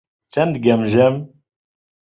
چەند گەمژەم!